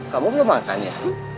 kamu belum makan ya